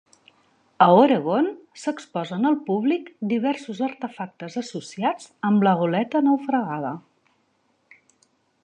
A Oregon s'exposen al públic diversos artefactes associats amb la goleta naufragada.